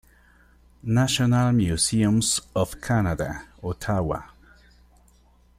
National Museums of Canada, Ottawa.